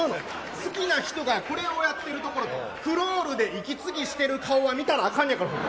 好きな人がこれをやってるところとクロールで息継ぎしてる顔は見たらあかんねん。